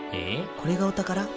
これがお宝？